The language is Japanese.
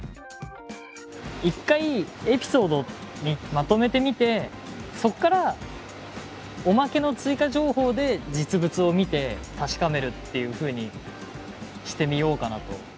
一回エピソードにまとめてみてそっからおまけの追加情報で実物を見て確かめるっていうふうにしてみようかなと。